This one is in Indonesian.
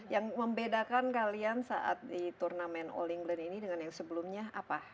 yang membedakan kalian saat di turnamen all england ini dengan yang sebelumnya apa